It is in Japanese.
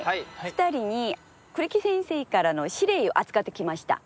２人に栗木先生からの指令を預かってきました。